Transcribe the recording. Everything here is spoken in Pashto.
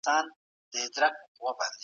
موږ د حق په لار کي قدم ايښی دی.